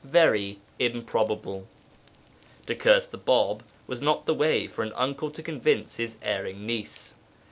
very improbable. To curse the Bāb was not the way for an uncle to convince his erring niece.